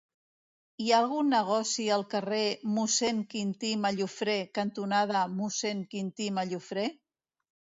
Hi ha algun negoci al carrer Mossèn Quintí Mallofrè cantonada Mossèn Quintí Mallofrè?